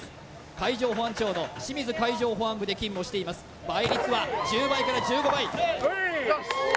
海上保安庁の清水海上保安部で勤務をしています倍率は１０倍から１５倍よっし！